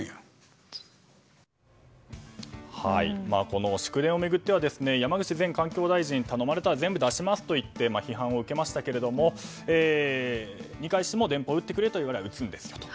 この祝電を巡っては山口前環境大臣頼まれたら全部出しますと言って批判を受けましたが二階氏も電報を打ってくれと言われれば打つんですよと。